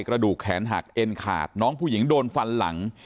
กระดูกแขนหักเอ็นขาดน้องผู้หญิงโดนฟันหลัง